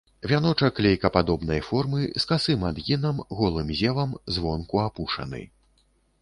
Вяночак лейкападобнай формы, з касым адгінам, голым зевам, звонку апушаны.